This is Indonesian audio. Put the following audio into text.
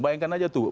bayangkan aja tuh